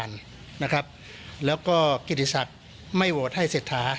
แล้วก็กิติศักดิ์ไม่โหวตให้เศรษฐา